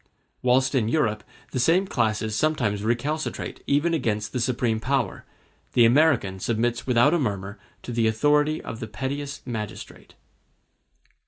Whilst in Europe the same classes sometimes recalcitrate even against the supreme power, the American submits without a murmur to the authority of the pettiest magistrate.